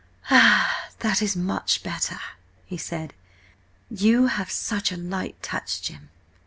"That is much better," he said. "You have such a light touch, Jim."